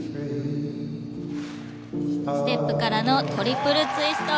ステップからのトリプルツイスト。